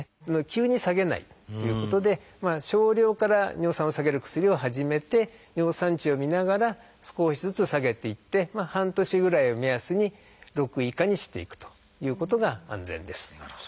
「急に下げない」ということで少量から尿酸を下げる薬を始めて尿酸値を見ながら少しずつ下げていって半年ぐらいを目安に６以下にしていくということが安全です。